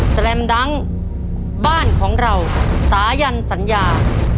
แลมดังบ้านของเราสายันสัญญา